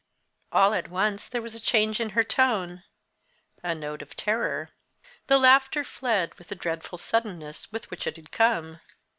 All at once there was a change in her tone a note of terror. The laughter fled with the dreadful suddenness with which it had come.